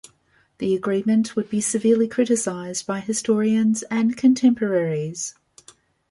The agreement would be severely criticized by historians and contemporaries.